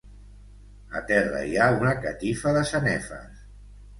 A terra hi ha una catifa de sanefes.